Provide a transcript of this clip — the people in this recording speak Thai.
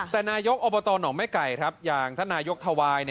แต่นายกอบตหนองแม่ไก่อย่างท่านนายกทวาย